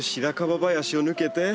林を抜けて。